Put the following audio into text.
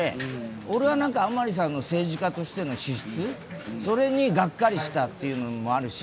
俺は甘利さんの政治家としての資質それにがっかりしたっていうのもあるし